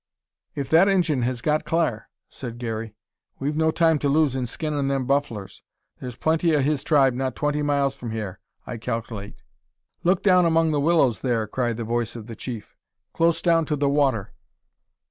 "If that Injun has got clar," said Garey, "we've no time to lose in skinnin' them bufflers. Thar's plenty o' his tribe not twenty miles from hyar, I calc'late." "Look down among the willows there!" cried the voice of the chief; "close down to the water."